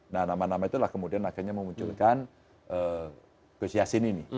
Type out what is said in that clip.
nah nama nama itulah kemudian akhirnya memunculkan gus yassin ini